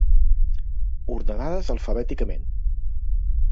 Ordenades alfabèticament.